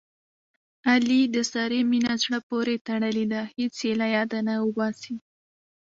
علي د سارې مینه زړه پورې تړلې ده. هېڅ یې له یاده نه اوباسي.